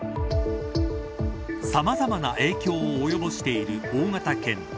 さまざまな影響を及ぼしている大型犬